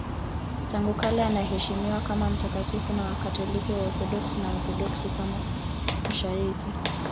Tangu kale anaheshimiwa kama mtakatifu na Wakatoliki, Waorthodoksi na Waorthodoksi wa Mashariki.